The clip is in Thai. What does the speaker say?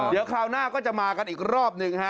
เดี๋ยวคราวหน้าก็จะมากันอีกรอบหนึ่งฮะ